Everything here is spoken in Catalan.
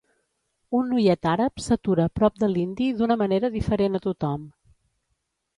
Un noiet àrab s'atura prop de l'indi d'una manera diferent a tothom.